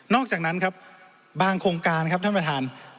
อกจากนั้นครับบางโครงการครับท่านประธาน